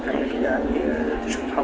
saya berdoa kepada tuhan